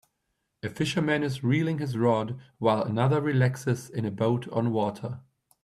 A fisherman is reeling his rod while another relaxes in a boat on water.